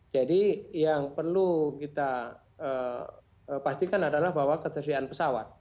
jadi yang perlu kita pastikan adalah bahwa keterbiyakan pesawat